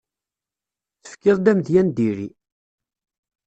Tefkiḍ-d amedya n diri.